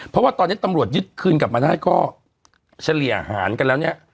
เพราะว่าตอนนี้ตำรวจยึดคืนกลับมาได้ก็เฉลี่ยอาหารกันแล้วเนี่ย